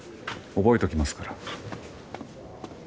覚えときますから。